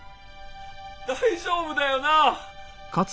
大丈夫だよな？